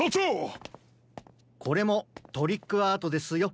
これもトリックアートですよ。